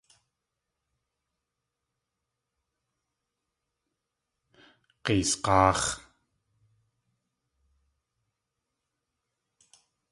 G̲eesg̲áax̲!